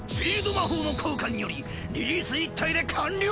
魔法の効果によりリリース１体で完了！